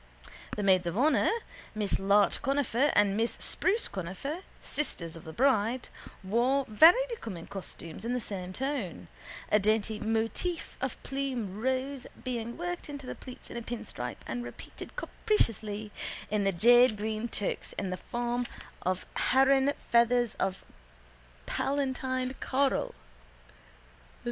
The maids of honour, Miss Larch Conifer and Miss Spruce Conifer, sisters of the bride, wore very becoming costumes in the same tone, a dainty motif of plume rose being worked into the pleats in a pinstripe and repeated capriciously in the jadegreen toques in the form of heron feathers of paletinted coral.